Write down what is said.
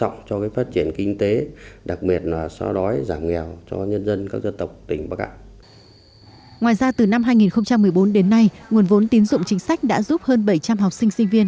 ngoài ra từ năm hai nghìn một mươi bốn đến nay nguồn vốn tín dụng chính sách đã giúp hơn bảy trăm linh học sinh sinh viên